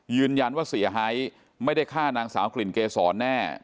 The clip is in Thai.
ยืนยันว่าเสียหายไม่ได้ฆ่านางสาวกลิ่นเกษรแน่